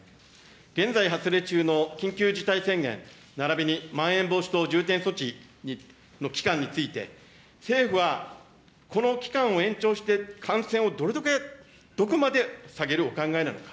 現在発令中の緊急事態宣言ならびにまん延防止等重点措置の期間について、政府はこの期間を延長して、感染をどれだけ、どこまで下げるお考えなのか。